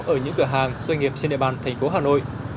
ở những cửa hàng doanh nghiệp trên địa bàn thành phố hà nội